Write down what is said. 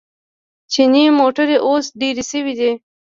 چیني موټرې اوس ډېرې شوې دي.